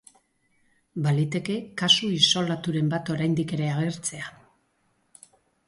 Baliteke kasu isolaturen bat oraindik ere agertzea.